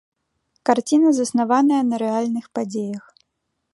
Карціна заснаваная на рэальных падзеях.